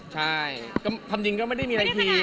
ใช่ก็ทำจริงก็ไม่ได้มีอะไรที